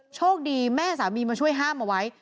โชคดีแม่สามีมาช่วยห้ามเอาไว้